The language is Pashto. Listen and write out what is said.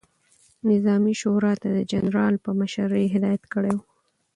نظامي شورا ته د جنرال په مشري هدایت کړی ؤ،